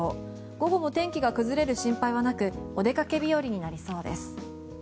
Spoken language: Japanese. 午後も天気が崩れる心配はなくお出かけ日和になりそうです。